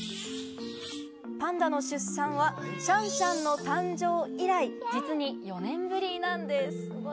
パンダの出産はシャンシャンの誕生以来、実に４年ぶりなんです。